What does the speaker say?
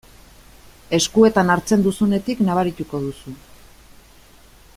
Eskuetan hartzen duzunetik nabarituko duzu.